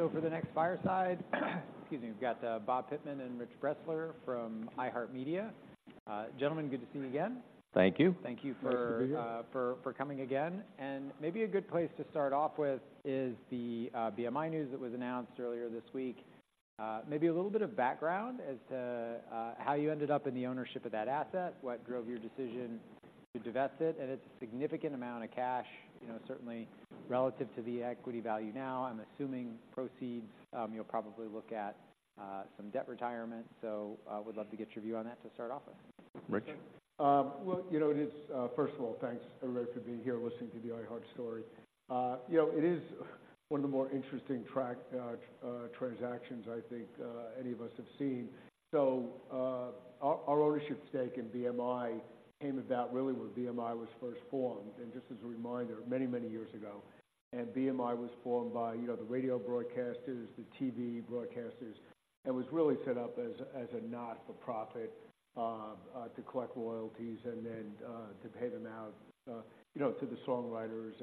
Thank you. So for the next fireside, excuse me, we've got Bob Pittman and Rich Bressler from iHeartMedia. Gentlemen, good to see you again. Thank you. Thank you for coming again. Maybe a good place to start off with is the BMI news that was announced earlier this week. Maybe a little bit of background as to how you ended up in the ownership of that asset, what drove your decision to divest it? It's a significant amount of cash, you know, certainly relative to the equity value now. I'm assuming proceeds, you'll probably look at some debt retirement. Would love to get your view on that to start off with. Rich? Well, you know, it is. First of all, thanks, everybody, for being here, listening to the iHeart story. You know, it is one of the more interesting transactions I think any of us have seen. So, our ownership stake in BMI came about really when BMI was first formed, and just as a reminder, many, many years ago. BMI was formed by, you know, the radio broadcasters, the TV broadcasters, and was really set up as a not-for-profit to collect royalties and then to pay them out, you know, to the songwriters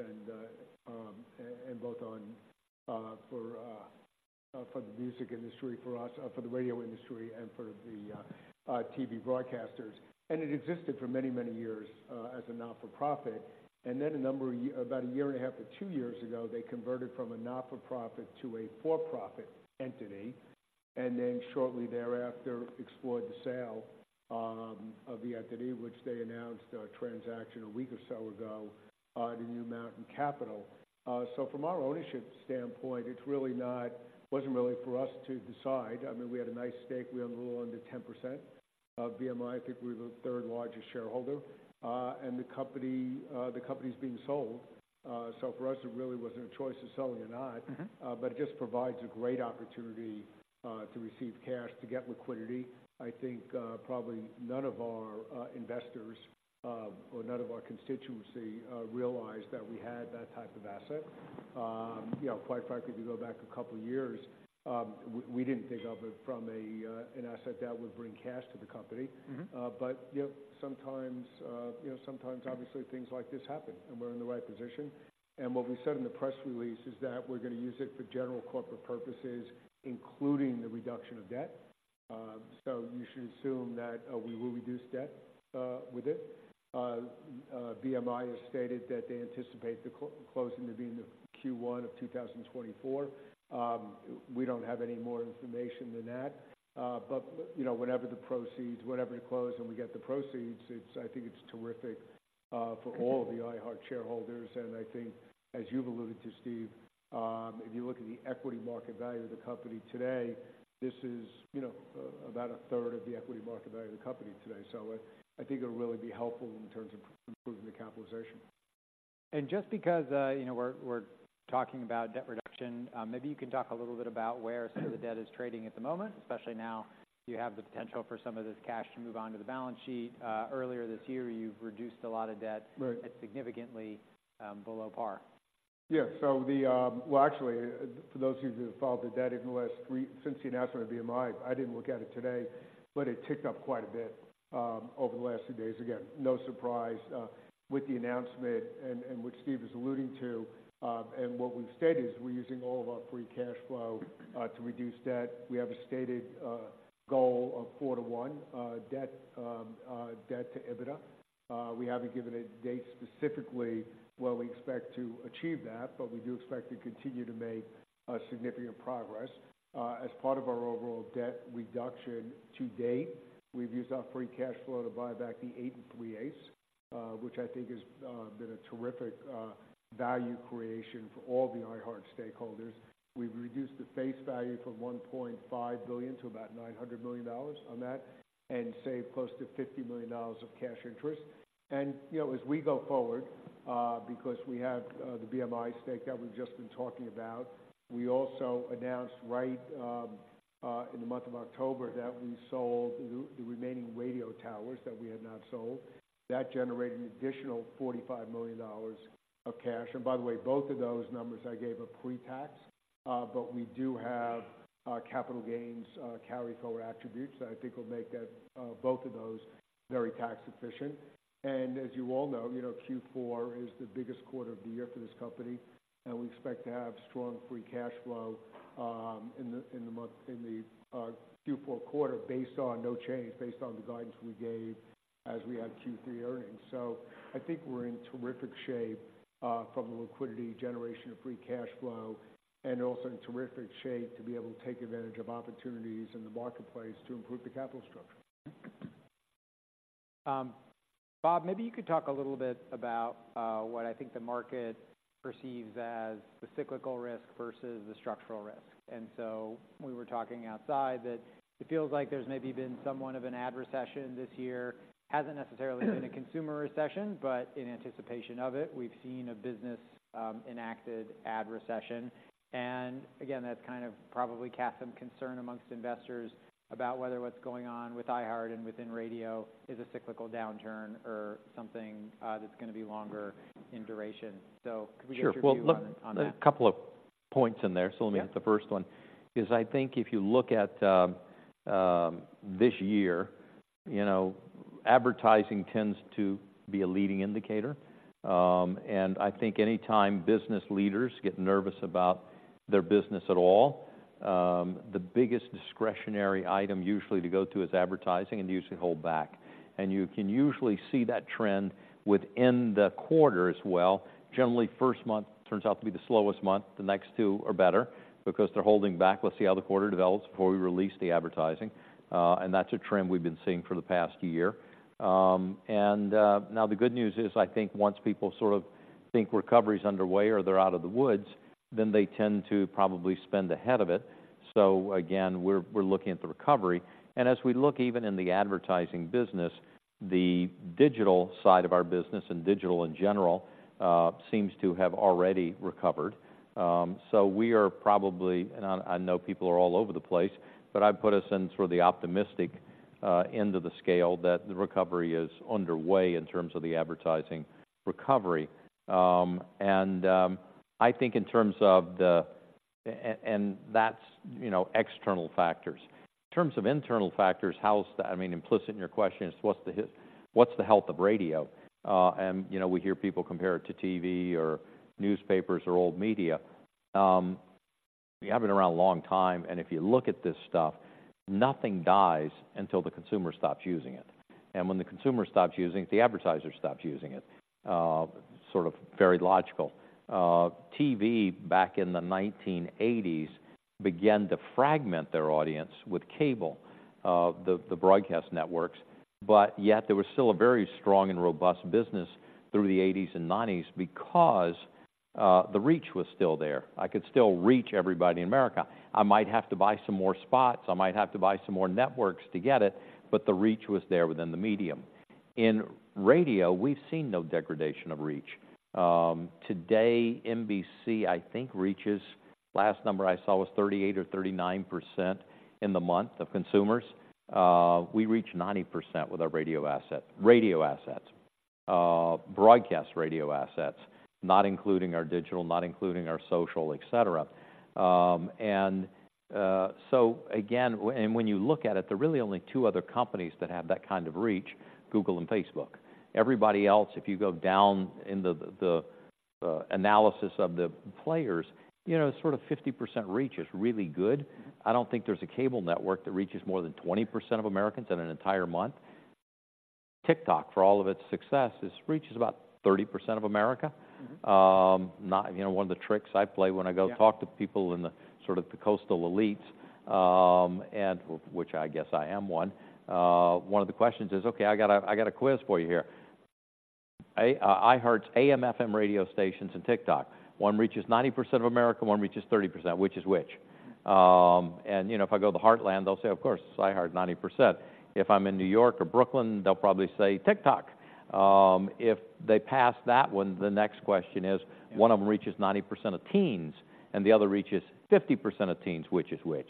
and both on for the music industry, for us, for the radio industry and for the TV broadcasters. It existed for many, many years as a not-for-profit. Then, about a year and a half or two years ago, they converted from a not-for-profit to a for-profit entity, and then shortly thereafter, explored the sale of the entity, which they announced a transaction a week or so ago to New Mountain Capital. So from our ownership standpoint, it's really not, wasn't really for us to decide. I mean, we had a nice stake. We own a little under 10% of BMI. I think we're the third largest shareholder. And the company, the company's being sold. So for us, it really wasn't a choice of selling or not. Mm-hmm. But it just provides a great opportunity to receive cash, to get liquidity. I think, probably none of our investors or none of our constituency realized that we had that type of asset. You know, quite frankly, if you go back a couple of years, we didn't think of it from an asset that would bring cash to the company. Mm-hmm. But, you know, sometimes, you know, sometimes obviously things like this happen, and we're in the right position. And what we said in the press release is that we're going to use it for general corporate purposes, including the reduction of debt. So you should assume that, we will reduce debt, with it. BMI has stated that they anticipate the closing to be in the Q1 of 2024. We don't have any more information than that. But, you know, whenever the proceeds, whenever they close and we get the proceeds, it's- I think it's terrific, for all the iHeart shareholders. And I think, as you've alluded to, Steve, if you look at the equity market value of the company today, this is, you know, about a third of the equity market value of the company today. I think it'll really be helpful in terms of improving the capitalization. And just because, you know, we're talking about debt reduction, maybe you can talk a little bit about where some of the debt is trading at the moment, especially now you have the potential for some of this cash to move on to the balance sheet. Earlier this year, you've reduced a lot of debt- Right... at significantly, below par. Yeah. So the, well, actually, for those of you who have followed the debt since the announcement of BMI, I didn't look at it today, but it ticked up quite a bit over the last few days. Again, no surprise, with the announcement and which Steve was alluding to. And what we've stated is we're using all of our free cash flow to reduce debt. We have a stated goal of four-to-one debt to EBITDA. We haven't given a date specifically where we expect to achieve that, but we do expect to continue to make significant progress. As part of our overall debt reduction to date, we've used our free cash flow to buy back the 8 3/8, which I think has been a terrific value creation for all the iHeart stakeholders. We've reduced the face value from $1.5 billion to about $900 million on that, and saved close to $50 million of cash interest. You know, as we go forward, because we have the BMI stake that we've just been talking about, we also announced right in the month of October that we sold the remaining radio towers that we had not sold. That generated an additional $45 million of cash. By the way, both of those numbers I gave are pre-tax, but we do have capital gains carryforward attributes that I think will make that both of those very tax efficient. And as you all know, you know, Q4 is the biggest quarter of the year for this company, and we expect to have strong free cash flow in the Q4 quarter, based on no change, based on the guidance we gave as we had Q3 earnings. So I think we're in terrific shape from a liquidity generation of free cash flow, and also in terrific shape to be able to take advantage of opportunities in the marketplace to improve the capital structure. Bob, maybe you could talk a little bit about what I think the market perceives as the cyclical risk versus the structural risk. And so we were talking outside that it feels like there's maybe been somewhat of an ad recession this year. Hasn't necessarily been a consumer recession, but in anticipation of it, we've seen a business enacted ad recession. And again, that's kind of probably cast some concern amongst investors about whether what's going on with iHeart and within radio is a cyclical downturn or something that's going to be longer in duration. So could we get your view on that? Sure. Well, look, a couple of points in there. Yeah. So let me hit the first one. I think if you look at this year, you know, advertising tends to be a leading indicator. I think anytime business leaders get nervous about their business at all, the biggest discretionary item usually to go to is advertising, and you usually hold back. You can usually see that trend within the quarter as well. Generally, first month turns out to be the slowest month. The next two are better because they're holding back. Let's see how the quarter develops before we release the advertising. That's a trend we've been seeing for the past year. Now, the good news is, I think once people sort of think recovery is underway or they're out of the woods, then they tend to probably spend ahead of it. So again, we're, we're looking at the recovery, and as we look even in the advertising business, the digital side of our business and digital in general, seems to have already recovered. So we are probably-- and I, I know people are all over the place, but I'd put us in sort of the optimistic end of the scale, that the recovery is underway in terms of the advertising recovery. I think in terms of the... and that's, you know, external factors. In terms of internal factors, how's the-- I mean, implicit in your question is: what's the health of radio? And, you know, we hear people compare it to TV or newspapers or old media. We have been around a long time, and if you look at this stuff, nothing dies until the consumer stops using it. And when the consumer stops using it, the advertiser stops using it. Sort of very logical. TV, back in the 1980s, began to fragment their audience with cable, the broadcast networks, but yet there was still a very strong and robust business through the '1980s and '1990s because the reach was still there. I could still reach everybody in America. I might have to buy some more spots, I might have to buy some more networks to get it, but the reach was there within the medium. In radio, we've seen no degradation of reach. Today, NBC, I think, reaches... Last number I saw was 38% or 39% in the month of consumers. We reach 90% with our radio assets, broadcast radio assets, not including our digital, not including our social, et cetera. And, so again, and when you look at it, there are really only two other companies that have that kind of reach, Google and Facebook. Everybody else, if you go down in the analysis of the players, you know, sort of 50% reach is really good. I don't think there's a cable network that reaches more than 20% of Americans in an entire month. TikTok, for all of its success, its reach is about 30% of America. Mm-hmm. Not, you know, one of the tricks I play when I go- Yeah... talk to people in the sort of coastal elites, and which I guess I am one, one of the questions is, "Okay, I got a quiz for you here. iHeart's AM/FM radio stations and TikTok, one reaches 90% of America, one reaches 30%. Which is which?" you know, if I go to the Heartland, they'll say, "Of course, it's iHeart, 90%." If I'm in New York or Brooklyn, they'll probably say, "TikTok." If they pass that one, the next question is: Yeah. One of them reaches 90% of teens, and the other reaches 50% of teens. Which is which?"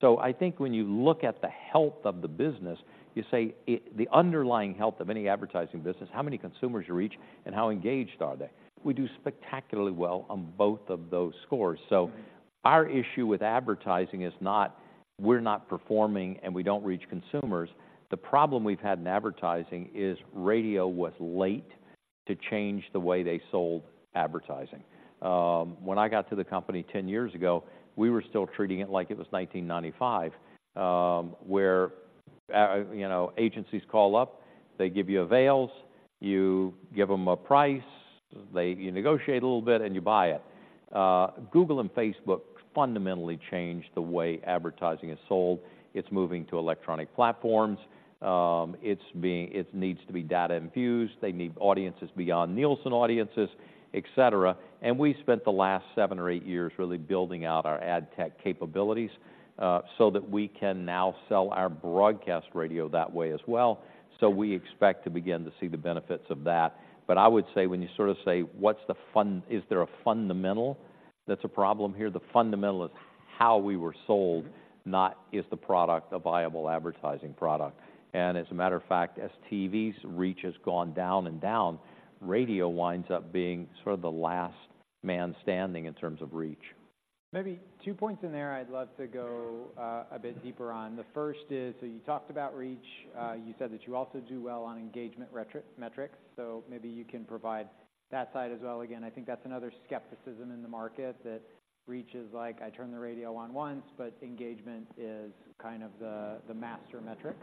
So I think when you look at the health of the business, you say, the underlying health of any advertising business, how many consumers you reach and how engaged are they? We do spectacularly well on both of those scores. Mm-hmm. Our issue with advertising is not, we're not performing, and we don't reach consumers. The problem we've had in advertising is radio was late to change the way they sold advertising. When I got to the company 10 years ago, we were still treating it like it was 1995, where, you know, agencies call up, they give you avails, you give them a price, they, you negotiate a little bit, and you buy it. Google and Facebook fundamentally changed the way advertising is sold. It's moving to electronic platforms. It's being. It needs to be data infused. They need audiences beyond Nielsen audiences, et cetera. We spent the last seven or eight years really building out our ad tech capabilities, so that we can now sell our broadcast radio that way as well. So we expect to begin to see the benefits of that. But I would say, when you sort of say, is there a fundamental that's a problem here? The fundamental is how we were sold, not is the product a viable advertising product. As a matter of fact, as TV's reach has gone down and down, radio winds up being sort of the last man standing in terms of reach. Maybe two points in there I'd love to go a bit deeper on. The first is, so you talked about reach. You said that you also do well on engagement metrics, so maybe you can provide that side as well. Again, I think that's another skepticism in the market, that reach is like, I turned the radio on once, but engagement is kind of the master metric.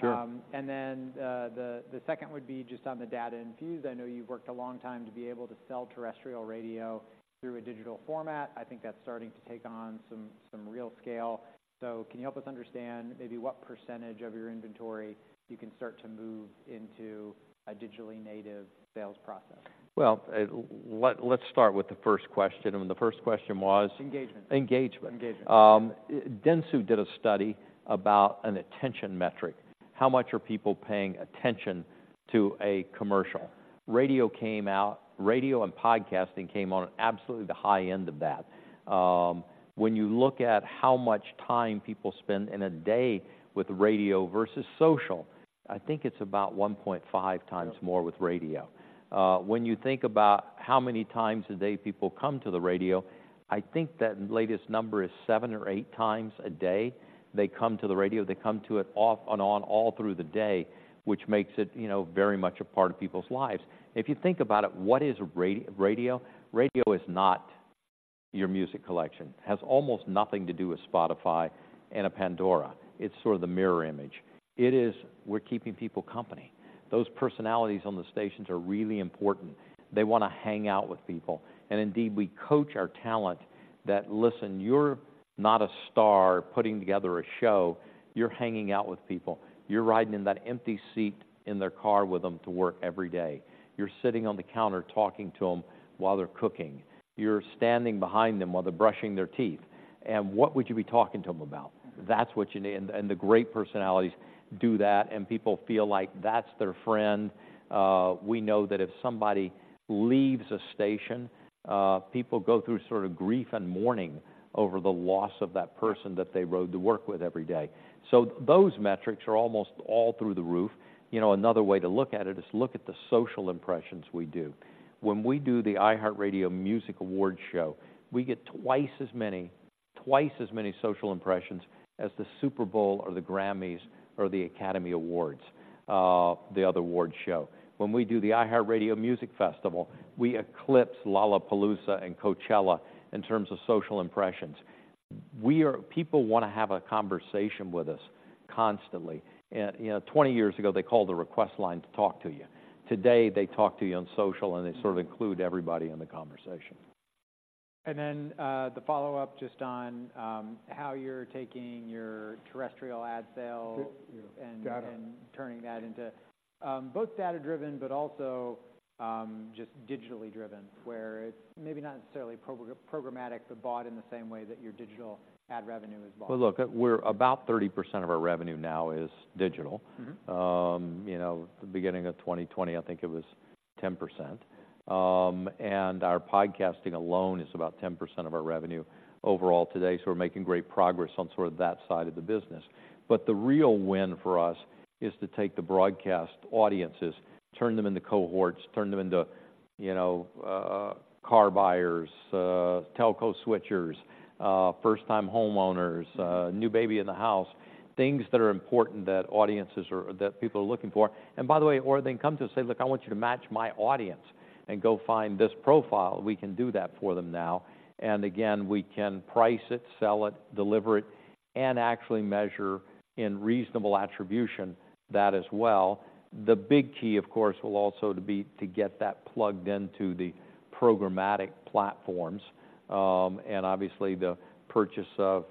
Sure. And then, the second would be just on the data infused. I know you've worked a long time to be able to sell terrestrial radio through a digital format. I think that's starting to take on some real scale. So can you help us understand maybe what percentage of your inventory you can start to move into a digitally native sales process? Well, let's start with the first question, and the first question was? Engagement. Engagement. Engagement. Dentsu did a study about an attention metric. How much are people paying attention to a commercial? Radio and podcasting came on absolutely the high end of that. When you look at how much time people spend in a day with radio versus social, I think it's about 1.5x more with radio. When you think about how many times a day people come to the radio, I think that latest number is seven or eight times a day, they come to the radio. They come to it off and on all through the day, which makes it, you know, very much a part of people's lives. If you think about it, what is radio? Radio is not your music collection, has almost nothing to do with Spotify and Pandora. It's sort of the mirror image. It is, we're keeping people company. Those personalities on the stations are really important. They wanna hang out with people, and indeed, we coach our talent that, "Listen, you're not a star putting together a show. You're hanging out with people. You're riding in that empty seat in their car with them to work every day. You're sitting on the counter talking to them while they're cooking. You're standing behind them while they're brushing their teeth, and what would you be talking to them about? That's what you need," and, and the great personalities do that, and people feel like that's their friend. We know that if somebody leaves a station, people go through sort of grief and mourning over the loss of that person that they rode to work with every day. So those metrics are almost all through the roof. You know, another way to look at it is look at the social impressions we do. When we do the iHeartRadio Music Awards show, we get twice as many, twice as many social impressions as the Super Bowl or the Grammys or the Academy Awards, the other awards show. When we do the iHeartRadio Music Festival, we eclipse Lollapalooza and Coachella in terms of social impressions. We are... People wanna have a conversation with us constantly, and, you know, 20 years ago, they called the request line to talk to you. Today, they talk to you on social, and they sort of include everybody in the conversation. Then, the follow-up, just on how you're taking your terrestrial ad sale- Yeah, data... and turning that into both data-driven, but also just digitally driven, where it's maybe not necessarily programmatic, but bought in the same way that your digital ad revenue is bought. Well, look, we're about 30% of our revenue now is digital. Mm-hmm. You know, the beginning of 2020, I think it was 10%. Our podcasting alone is about 10% of our revenue overall today, so we're making great progress on sort of that side of the business. But the real win for us is to take the broadcast audiences, turn them into cohorts, turn them into, you know, car buyers, telco switchers, first-time homeowners, new baby in the house, things that are important that audiences are, that people are looking for. And by the way, or they come to us and say, "Look, I want you to match my audience and go find this profile." We can do that for them now, and again, we can price it, sell it, deliver it, and actually measure, in reasonable attribution, that as well. The big key, of course, will also to be to get that plugged into the programmatic platforms. And obviously, the purchase of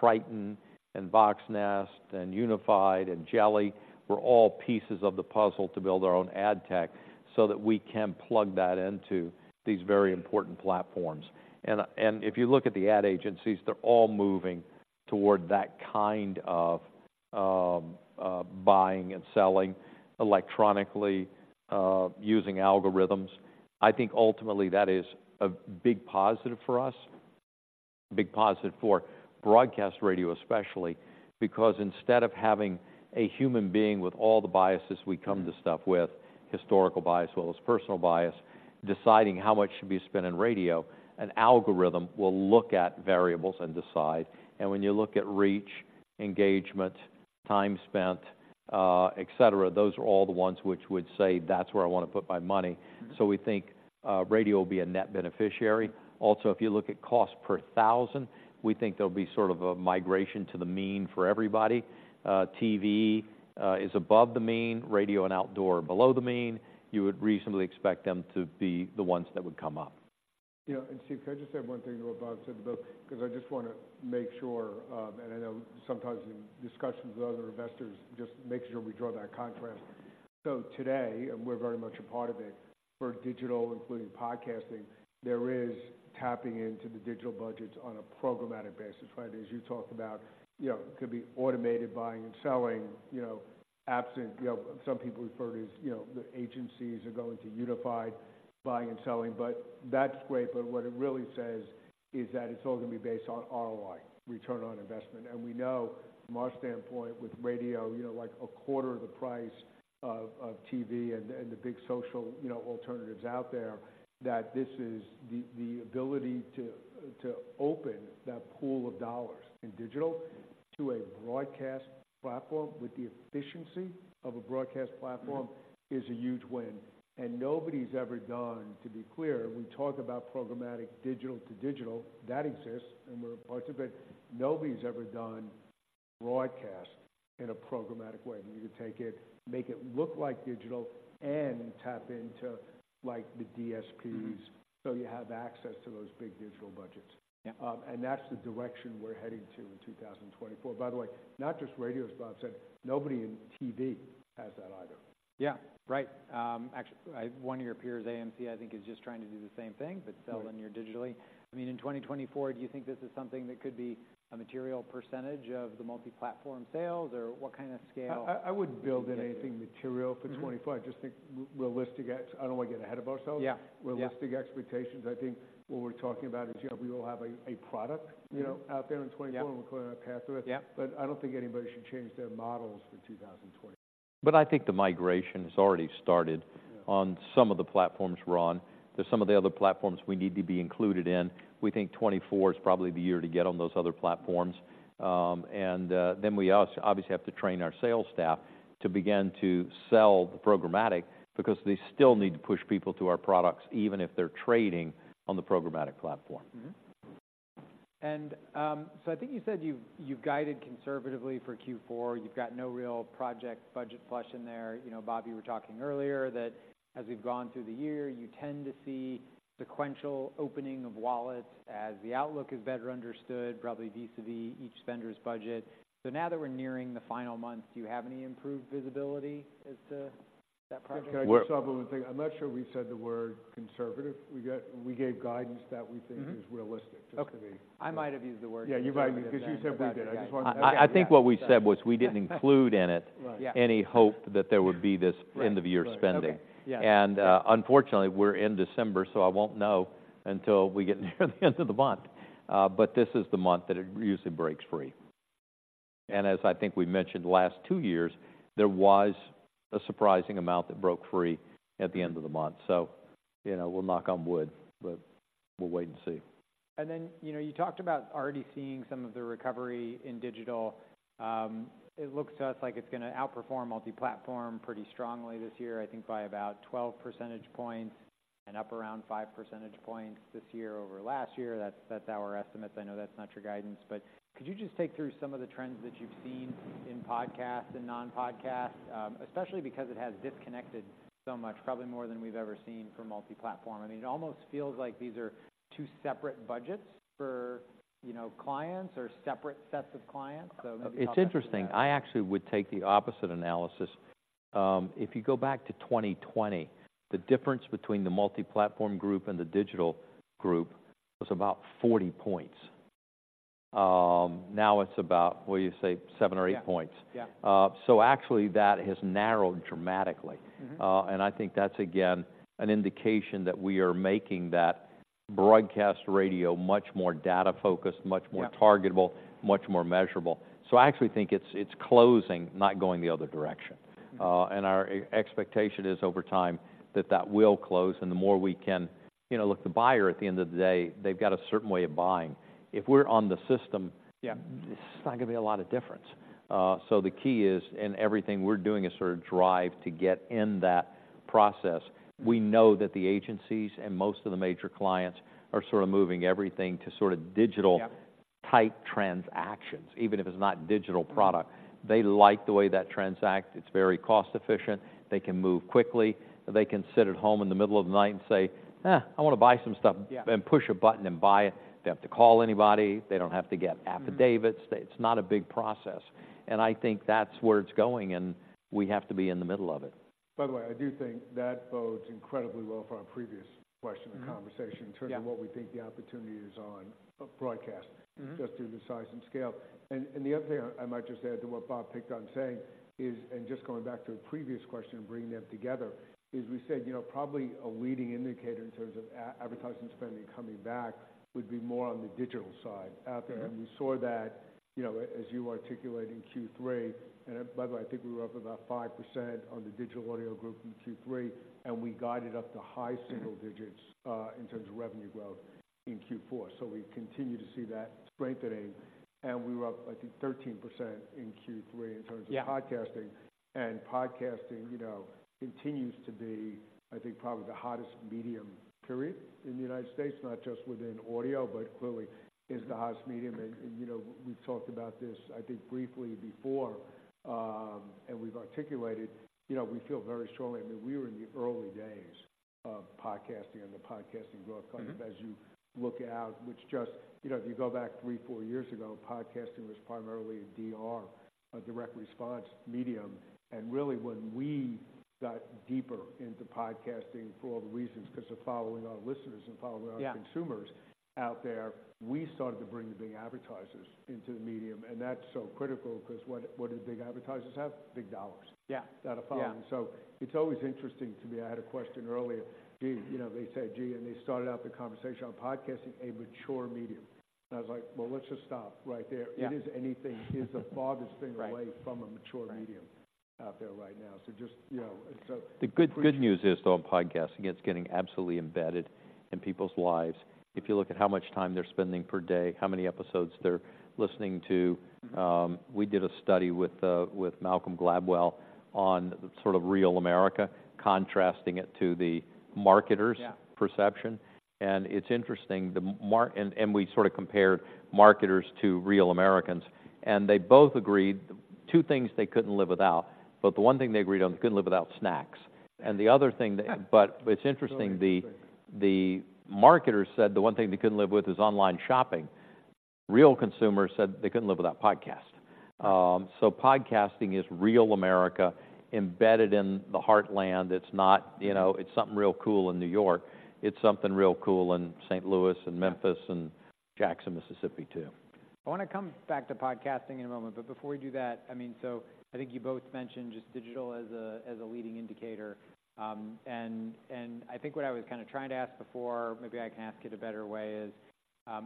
Triton and Voxnest and Unified and Jelli were all pieces of the puzzle to build our own ad tech so that we can plug that into these very important platforms. And if you look at the ad agencies, they're all moving toward that kind of buying and selling electronically using algorithms. I think ultimately that is a big positive for us, big positive for broadcast radio, especially, because instead of having a human being with all the biases we come to stuff with, historical bias as well as personal bias, deciding how much should be spent in radio, an algorithm will look at variables and decide. When you look at reach, engagement, time spent, et cetera, those are all the ones which would say, "That's where I want to put my money. Mm-hmm. So we think radio will be a net beneficiary. Also, if you look at cost per thousand, we think there'll be sort of a migration to the mean for everybody. TV is above the mean, radio and outdoor below the mean. You would reasonably expect them to be the ones that would come up. You know, and Steve, can I just add one thing to what Bob said, though? Because I just wanna make sure, and I know sometimes in discussions with other investors, just make sure we draw that contrast. So today, and we're very much a part of it, for digital, including podcasting, there is tapping into the digital budgets on a programmatic basis, right? As you talked about, you know, it could be automated buying and selling, you know, absent... You know, some people refer to as, you know, the agencies are going to unified buying and selling, but that's great, but what it really says is that it's all going to be based on ROI, return on investment. And we know from our standpoint with radio, you know, like a quarter of the price of TV and the big social, you know, alternatives out there, that this is the ability to open that pool of dollars in digital to a broadcast platform with the efficiency of a broadcast platform- Mm-hmm... is a huge win. And nobody's ever done, to be clear, we talk about programmatic digital to digital. That exists, and we're a part of it. Nobody's ever done broadcast in a programmatic way, where you can take it, make it look like digital, and tap into, like, the DSPs, so you have access to those big digital budgets. Yeah. That's the direction we're heading to in 2024. By the way, not just radio, as Bob said, nobody in TV has that either. Yeah, right. Actually, one of your peers, AMC, I think, is just trying to do the same thing, but- Right... sell linear digitally. I mean, in 2024, do you think this is something that could be a material percentage of the multi-platform sales, or what kind of scale? I wouldn't build anything material for 2024. Mm-hmm. I just think realistic. I don't want to get ahead of ourselves. Yeah, yeah. Realistic expectations. I think what we're talking about is, you know, we will have a product- Mm-hmm... you know, out there in 2024. Yeah. We're clear on our path to it. Yeah. I don't think anybody should change their models for 2024. I think the migration has already started. Yeah... on some of the platforms, we're on. There's some of the other platforms we need to be included in. We think 2024 is probably the year to get on those other platforms. Then we also obviously have to train our sales staff to begin to sell the programmatic, because they still need to push people to our products, even if they're trading on the programmatic platform. Mm-hmm. And, so I think you said you've guided conservatively for Q4. You've got no real project budget flush in there. You know, Bob, you were talking earlier that as we've gone through the year, you tend to see sequential opening of wallets as the outlook is better understood, probably vis-a-vis each spender's budget. So now that we're nearing the final month, do you have any improved visibility as to that project? Can I just supplement? I'm not sure we've said the word conservative. We got—we gave guidance that we think- Mm-hmm. is realistic, just to be Okay. I might have used the word. Yeah, you might have, because you said we did. I just wanted to- I think what we said was we didn't include in it- Right. Yeah... any hope that there would be this- Right end-of-year spending. Okay. Yeah. Unfortunately, we're in December, so I won't know until we get near the end of the month. But this is the month that it usually breaks free. As I think we've mentioned, the last two years, there was a surprising amount that broke free at the end of the month. You know, we'll knock on wood, but we'll wait and see. And then, you know, you talked about already seeing some of the recovery in digital. It looks to us like it's going to outperform multi-platform pretty strongly this year, I think by about 12 percentage points and up around five percentage points this year over last year. That's, that's our estimates. I know that's not your guidance, but could you just take through some of the trends that you've seen in podcast and non-podcast, especially because it has disconnected so much, probably more than we've ever seen for multi-platform. I mean, it almost feels like these are two separate budgets for, you know, clients or separate sets of clients. So maybe- It's interesting. I actually would take the opposite analysis. If you go back to 2020, the difference between the Multiplatform Group and the Digital Group was about 40 points. Now it's about, what do you say? seven or eight points. Yeah. Yeah. So actually, that has narrowed dramatically. Mm-hmm. I think that's again, an indication that we are making that broadcast radio much more data-focused, much more- Yeah... targetable, much more measurable. So I actually think it's closing, not going the other direction. And our expectation is over time, that that will close, and the more we can... You know, look, the buyer, at the end of the day, they've got a certain way of buying. If we're on the system- Yeah there's not going to be a lot of difference. So the key is, in everything we're doing, is sort of drive to get in that process. We know that the agencies and most of the major clients are sort of moving everything to sort of digital- Yeah -type transactions, even if it's not digital product. They like the way that transact. It's very cost-efficient. They can move quickly. They can sit at home in the middle of the night and say, "Eh, I want to buy some stuff,"- Yeah and push a button and buy it. They don't have to call anybody. They don't have to get affidavits. Mm-hmm. It's not a big process, and I think that's where it's going, and we have to be in the middle of it. By the way, I do think that bodes incredibly well for our previous question— Mm-hmm... and conversation- Yeah in terms of what we think the opportunity is on broadcasting- Mm-hmm Just due to size and scale. And the other thing I might just add to what Bob picked on saying is, and just going back to a previous question and bringing them together, is we said, you know, probably a leading indicator in terms of advertising spending coming back would be more on the digital side out there. Yeah. We saw that, you know, as you articulate in Q3, and by the way, I think we were up about 5% on the Digital Audio Group in Q3, and we guided up to high single digits in terms of revenue growth in Q4. So we continue to see that strengthening, and we were up, I think, 13% in Q3 in terms of- Yeah podcasting. And podcasting, you know, continues to be, I think, probably the hottest medium, period, in the United States, not just within audio, but clearly is the hottest medium. And, and, you know, we've talked about this, I think, briefly before, and we've articulated, you know, we feel very strongly. I mean, we were in the early days of podcasting and the podcasting growth- Mm-hmm As you look out, which just... You know, if you go back three, four years ago, podcasting was primarily a DR, a direct response medium. And really, when we got deeper into podcasting for all the reasons, 'cause of following our listeners and following our- Yeah Consumers out there, we started to bring the big advertisers into the medium, and that's so critical, 'cause what, what do big advertisers have? Big dollars. Yeah. That are following. Yeah. So it's always interesting to me. I had a question earlier. Gee, you know, they said, "Gee," and they started out the conversation on podcasting, a mature medium. And I was like: Well, let's just stop right there. Yeah. It is the farthest thing away. Right from a mature medium Right out there right now. So just, you know, so- The good, good news is, though, on podcasting, it's getting absolutely embedded in people's lives. If you look at how much time they're spending per day, how many episodes they're listening to. We did a study with with Malcolm Gladwell on sort of Real America, contrasting it to the marketers'- Yeah perception. And it's interesting, we sort of compared marketers to Real Americans, and they both agreed two things they couldn't live without. But the one thing they agreed on, they couldn't live without snacks. And the other thing they- Yeah. But what's interesting- Right... the marketers said the one thing they couldn't live with is online shopping. Real consumers said they couldn't live without podcast. So podcasting is real America, embedded in the heartland. It's not, you know, it's something real cool in New York. It's something real cool in St. Louis and Memphis and Jackson, Mississippi, too. I want to come back to podcasting in a moment, but before we do that, I mean, so I think you both mentioned just digital as a leading indicator. And I think what I was kind of trying to ask before, maybe I can ask it a better way, is: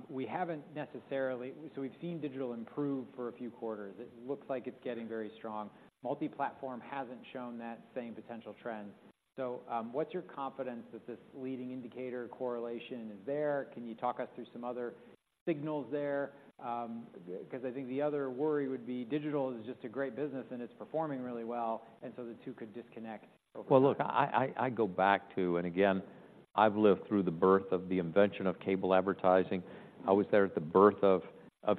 we haven't necessarily. So we've seen digital improve for a few quarters. It looks like it's getting very strong. Multi-platform hasn't shown that same potential trend. So, what's your confidence that this leading indicator correlation is there? Can you talk us through some other signals there? Because I think the other worry would be digital is just a great business, and it's performing really well, and so the two could disconnect over time. Well, look, I go back to. I've lived through the birth of the invention of cable advertising. I was there at the birth of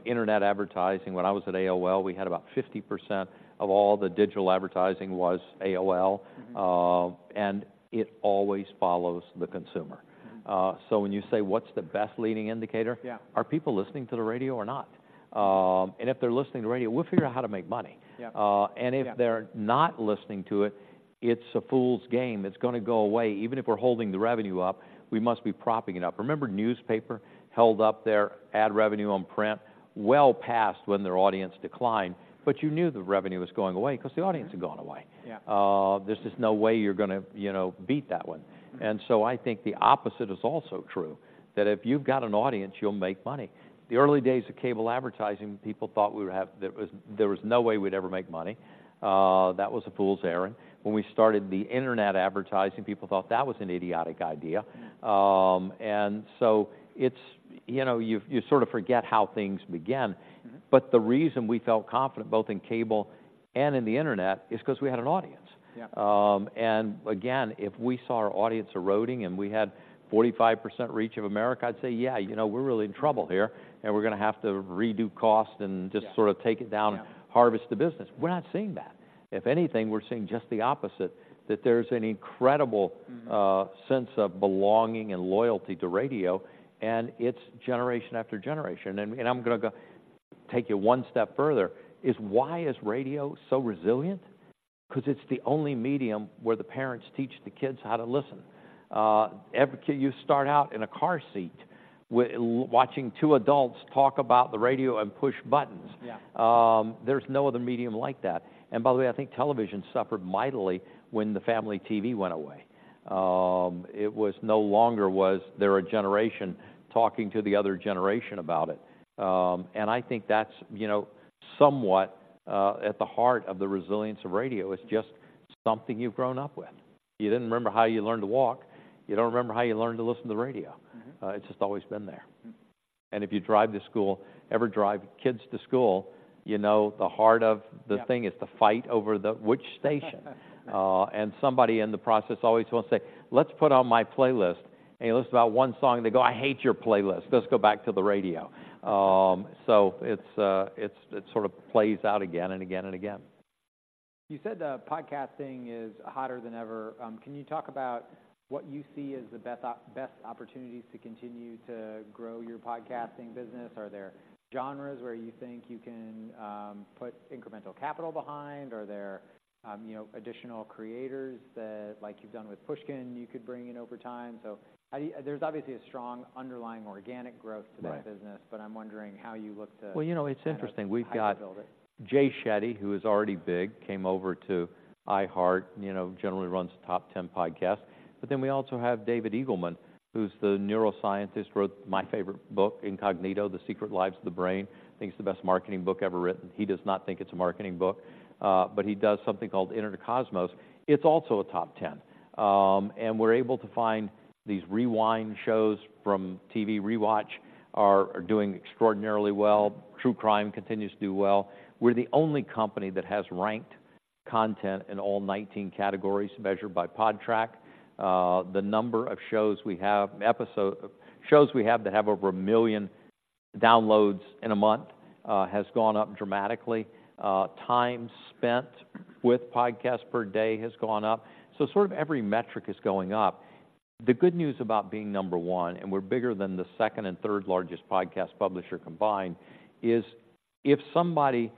internet advertising. When I was at AOL, we had about 50% of all the digital advertising was AOL- Mm-hmm. It always follows the consumer. Mm-hmm. So when you say, what's the best leading indicator? Yeah. Are people listening to the radio or not? If they're listening to radio, we'll figure out how to make money. Yeah. Uh- Yeah. If they're not listening to it, it's a fool's game. It's gonna go away. Even if we're holding the revenue up, we must be propping it up. Remember, newspaper held up their ad revenue on print well past when their audience declined, but you knew the revenue was going away 'cause the audience- Yeah had gone away. Yeah. There's just no way you're gonna, you know, beat that one. Mm-hmm. And so I think the opposite is also true, that if you've got an audience, you'll make money. The early days of cable advertising, people thought we would have... There was no way we'd ever make money. That was a fool's errand. When we started the internet advertising, people thought that was an idiotic idea. Mm-hmm. And so it's, you know, you sort of forget how things begin. Mm-hmm. But the reason we felt confident, both in cable and in the internet, is 'cause we had an audience. Yeah. And again, if we saw our audience eroding and we had 45% reach of America, I'd say: Yeah, you know, we're really in trouble here, and we're gonna have to redo cost and- Yeah just sort of take it down. Yeah harvest the business. We're not seeing that. If anything, we're seeing just the opposite, that there's an incredible- Mm-hmm… sense of belonging and loyalty to radio, and it's generation after generation. I'm gonna go take you one step further: why is radio so resilient? 'Cause it's the only medium where the parents teach the kids how to listen. Every kid you start out in a car seat with watching two adults talk about the radio and push buttons. Yeah. There's no other medium like that. And by the way, I think television suffered mightily when the family TV went away. It was no longer there a generation talking to the other generation about it. And I think that's, you know, somewhat at the heart of the resilience of radio, it's just something you've grown up with. You didn't remember how you learned to walk; you don't remember how you learned to listen to the radio. Mm-hmm. It's just always been there. Mm-hmm. If you drive to school, ever drive kids to school, you know, the heart of- Yeah The thing is to fight over the... which station? And somebody in the process always will say, "Let's put on my playlist." And it plays about one song, and they go, "I hate your playlist. Let's go back to the radio." So it's, it's, it sort of plays out again and again and again. You said that podcasting is hotter than ever. Can you talk about what you see as the best opportunities to continue to grow your podcasting business? Are there genres where you think you can put incremental capital behind? Or are there, you know, additional creators that, like you've done with Pushkin, you could bring in over time? So how do you... There's obviously a strong underlying organic growth- Right to that business, but I'm wondering how you look to- Well, you know, it's interesting. We've got- How to build it. Jay Shetty, who is already big, came over to iHeart, you know, generally runs the top 10 podcast. But then we also have David Eagleman, who's the neuroscientist, wrote my favorite book, Incognito: The Secret Lives of the Brain. I think it's the best marketing book ever written. He does not think it's a marketing book, but he does something called Inner Cosmos. It's also a top 10. And we're able to find these rewind shows from TV Rewatch are doing extraordinarily well. True Crime continues to do well. We're the only company that has ranked content in all 19 categories, measured by Podtrac. The number of shows we have, shows we have that have over a million downloads in a month, has gone up dramatically. Time spent with podcasts per day has gone up. So sort of every metric is going up. The good news about being number one, and we're bigger than the second and third largest podcast publisher combined, is if somebody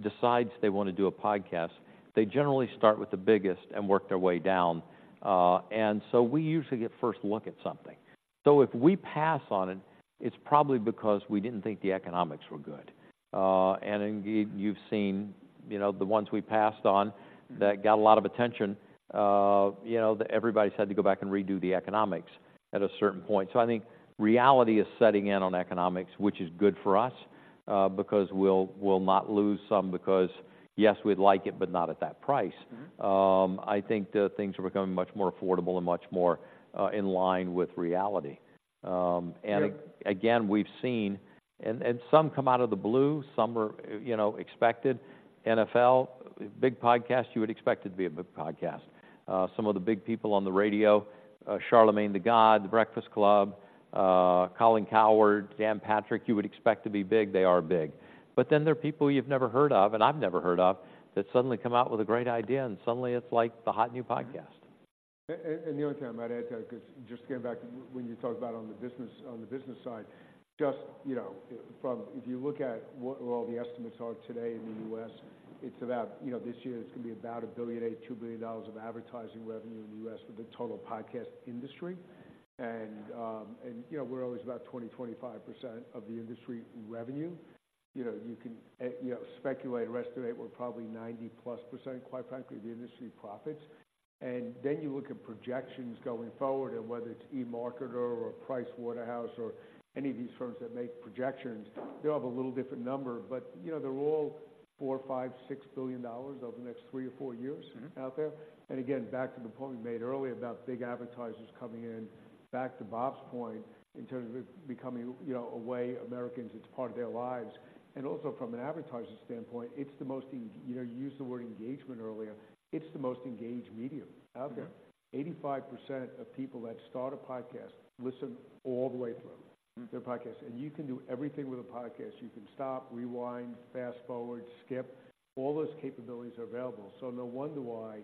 decides they wanna do a podcast, they generally start with the biggest and work their way down. And so we usually get first look at something. So if we pass on it, it's probably because we didn't think the economics were good. And indeed, you've seen, you know, the ones we passed on that got a lot of attention, you know, that everybody's had to go back and redo the economics at a certain point. So I think reality is setting in on economics, which is good for us, because we'll not lose some because, yes, we'd like it, but not at that price. Mm-hmm. I think that things are becoming much more affordable and much more in line with reality. Yeah... and again, we've seen, and some come out of the blue, some are, you know, expected. NFL, big podcast, you would expect it to be a big podcast. Some of the big people on the radio, Charlamagne tha God, The Breakfast Club, Colin Cowherd, Dan Patrick, you would expect to be big, they are big. But then there are people you've never heard of, and I've never heard of, that suddenly come out with a great idea, and suddenly it's like the hot new podcast. And the only thing I might add to that, 'cause just getting back to when you talked about on the business, on the business side, just, you know, from... If you look at what all the estimates are today in the U.S., it's about, you know, this year it's gonna be about $1 billion-$2 billion of advertising revenue in the U.S. for the total podcast industry. And, and, you know, we're always about 20%-25% of the industry revenue. You know, you can, you know, speculate, estimate, we're probably 90+%, quite frankly, of the industry profits. And then you look at projections going forward, and whether it's eMarketer or Pricewaterhouse or any of these firms that make projections, they all have a little different number. But, you know, they're all $4 billion, $5 billion, $6 billion over the next three or four years- Mm-hmm out there. And again, back to the point we made earlier about big advertisers coming in, back to Bob's point, in terms of it becoming, you know, a way of Americans, it's part of their lives. And also from an advertiser standpoint, it's the most engaged, you know, you used the word "engagement" earlier. It's the most engaged medium out there. Mm-hmm. 85% of people that start a podcast listen all the way through- Mm-hmm the podcast. And you can do everything with a podcast. You can stop, rewind, fast-forward, skip. All those capabilities are available. So no wonder why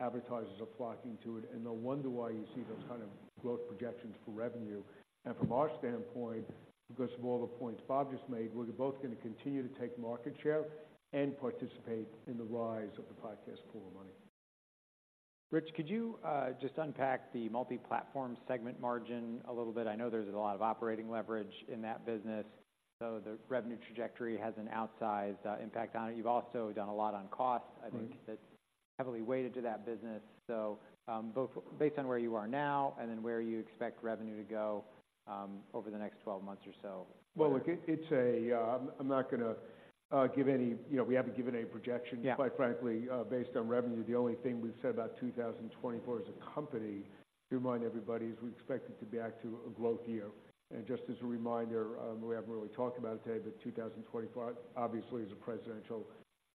advertisers are flocking to it, and no wonder why you see those kind of growth projections for revenue. And from our standpoint, because of all the points Bob just made, we're both going to continue to take market share and participate in the rise of the podcast pool of money. Rich, could you just unpack the multi-platform segment margin a little bit? I know there's a lot of operating leverage in that business, so the revenue trajectory has an outsized impact on it. You've also done a lot on cost- Right I think that's heavily weighted to that business. So, both based on where you are now and then where you expect revenue to go, over the next twelve months or so. Well, look, it's... I'm not gonna give any—you know, we haven't given any projections. Yeah. Quite frankly, based on revenue, the only thing we've said about 2024 as a company, to remind everybody, is we expect it to be back to a growth year. And just as a reminder, we haven't really talked about it today, but 2025, obviously, is a presidential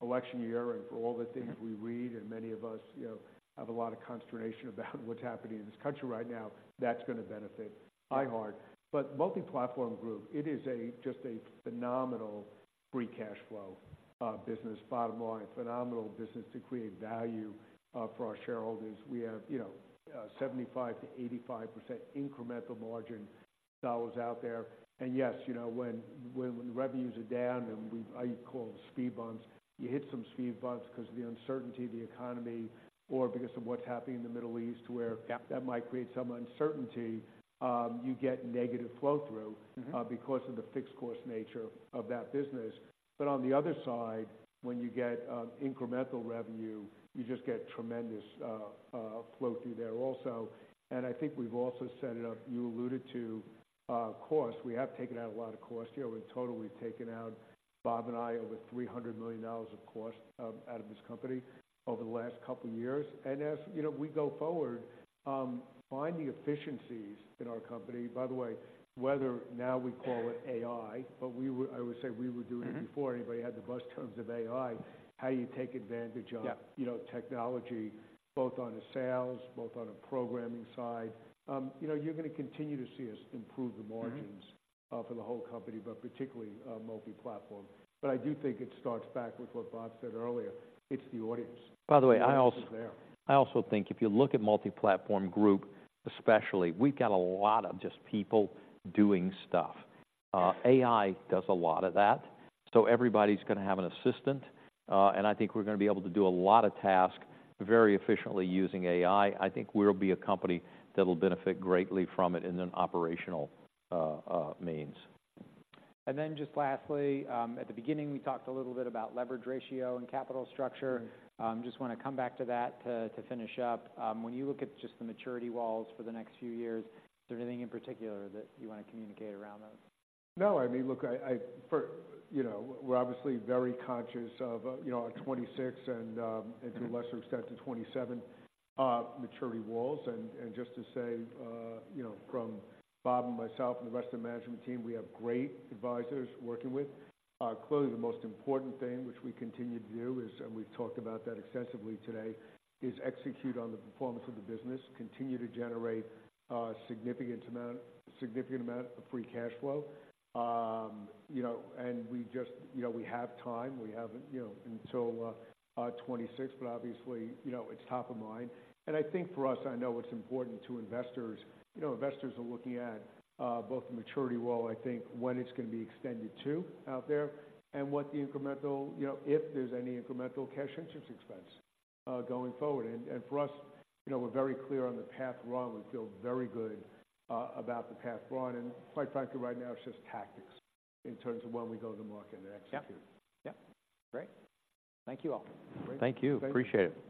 election year. And for all the things we read, and many of us, you know, have a lot of consternation about what's happening in this country right now, that's gonna benefit iHeart. But Multi-Platform Group, it is a, just a phenomenal free cash flow business. Bottom line, phenomenal business to create value for our shareholders. We have, you know, 75%-85% incremental margin dollars out there. And yes, you know, when the revenues are down, and we've- I call it speed bumps. You hit some speed bumps because of the uncertainty of the economy or because of what's happening in the Middle East, where- Yeah -that might create some uncertainty. You get negative flow through- Mm-hmm... because of the fixed cost nature of that business. But on the other side, when you get incremental revenue, you just get tremendous flow through there also. And I think we've also set it up, you alluded to, cost. We have taken out a lot of cost. You know, in total, we've taken out, Bob and I, over $300 million of cost out of this company over the last couple of years. And as you know, we go forward, finding efficiencies in our company... By the way, whether now we call it AI, but we were- I would say we were doing it- Mm-hmm before anybody had the buzz terms of AI. How you take advantage of- Yeah -you know, technology, both on the sales, both on the programming side. You know, you're going to continue to see us improve the margins- Mm-hmm for the whole company, but particularly, multi-platform. But I do think it starts back with what Bob said earlier: It's the audience. By the way, I also- It's there. I also think if you look at Multi-Platform Group, especially, we've got a lot of just people doing stuff. AI does a lot of that, so everybody's going to have an assistant. And I think we're going to be able to do a lot of tasks very efficiently using AI. I think we'll be a company that will benefit greatly from it in an operational means. And then just lastly, at the beginning, we talked a little bit about leverage ratio and capital structure. Mm-hmm. Just want to come back to that to finish up. When you look at just the maturity walls for the next few years, is there anything in particular that you want to communicate around those? No, I mean, look, I for- you know, we're obviously very conscious of, you know, our 2026 and, and to a lesser extent, the 2027, maturity walls. And, and just to say, you know, from Bob and myself and the rest of the management team, we have great advisors working with. Clearly, the most important thing, which we continue to do is, and we've talked about that extensively today, is execute on the performance of the business, continue to generate a significant amount, significant amount of free cash flow. You know, and we just... You know, we have time. We have, you know, until, 2026, but obviously, you know, it's top of mind. And I think for us, I know it's important to investors. You know, investors are looking at both the maturity wall, I think, when it's going to be extended to out there, and what the incremental—you know, if there's any incremental cash interest expense, going forward. And for us, you know, we're very clear on the path run. We feel very good about the path run, and quite frankly, right now it's just tactics in terms of when we go to the market and execute. Yeah. Yeah. Great. Thank you, all. Great. Thank you. Appreciate it.